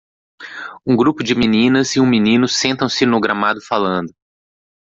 Um grupo de meninas e um menino sentam-se no gramado falando.